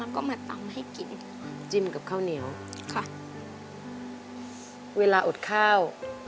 ก็มาตำให้กินจิ้มกับข้าวเหนียวค่ะเวลาอดข้าว